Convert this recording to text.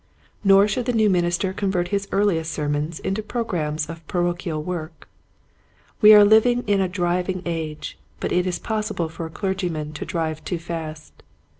Nor should the new minister convert his earliest sermons into programs of parochial work. We are living in a driving age, but it is possible for a clergyman to drive too fast.